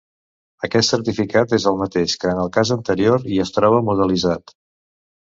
Aquest certificat és el mateix que en el cas anterior i es troba modelitzat.